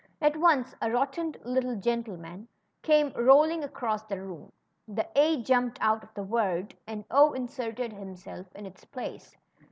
At once a rotund little gentleman came rolling across the room ; the A jumped out of the word, and 0 in serted himself in its place.